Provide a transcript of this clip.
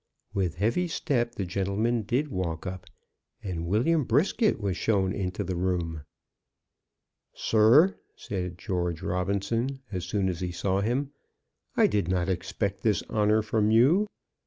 With heavy step the gentleman did walk up, and William Brisket was shown into the room. "Sir," said George Robinson as soon as he saw him, "I did not expect this honour from you."